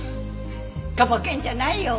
とぼけるんじゃないよ